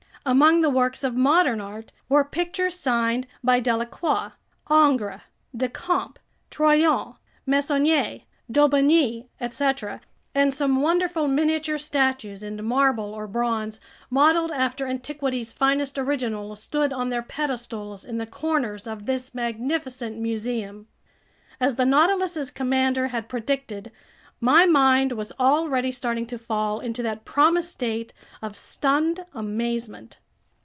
Among the works of modern art were pictures signed by Delacroix, Ingres, Decamps, Troyon, Meissonier, Daubigny, etc., and some wonderful miniature statues in marble or bronze, modeled after antiquity's finest originals, stood on their pedestals in the corners of this magnificent museum. As the Nautilus's commander had predicted, my mind was already starting to fall into that promised state of stunned amazement.